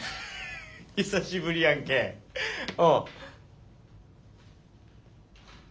久しぶりやんけうん。え？